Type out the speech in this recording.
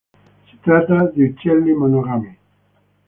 Si tratta di uccelli monogami.